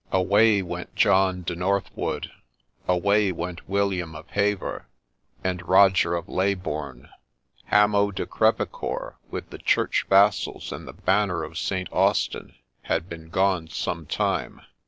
Away went John de Northwood ; away went William of Hever, and Roger of Ley bourne. Hamo de Crevecceur, with the church vassals and the banner of St. Austin, had been gone some time.